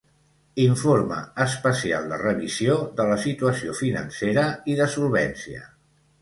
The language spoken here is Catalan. Informe especial de revisió de la situació financera i de solvència.